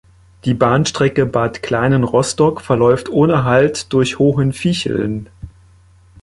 Die Bahnstrecke Bad Kleinen–Rostock verläuft ohne Halt durch Hohen Viecheln.